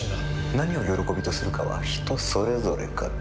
何を喜びとするかは人それぞれかと。